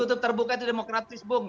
tertutup terbuka itu demokratis bung